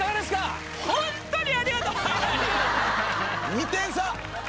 ２点差。